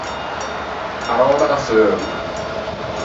A röba da feugo.